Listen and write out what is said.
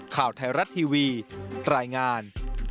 ข่าวไทยรัฐทีวีรายงาน